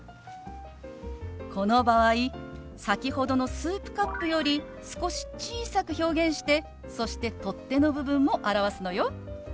この場合先ほどのスープカップより少し小さく表現してそして取っ手の部分も表すのよ。